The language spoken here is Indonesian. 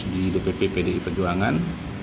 di dpp pdi perjuangan